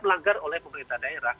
melanggar oleh pemerintah daerah